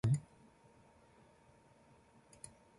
人は寝ずにはいられない